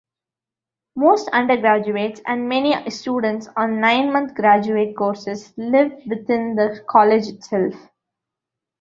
Most undergraduates and many students on nine-month graduate courses live within the College itself.